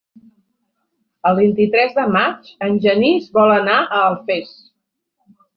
El vint-i-tres de maig en Genís vol anar a Alfés.